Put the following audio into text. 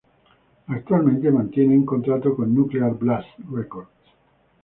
Actualmente mantienen un contrato con Nuclear Blast records.